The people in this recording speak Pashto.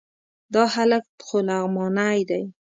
دا هلک خو لغمانی دی...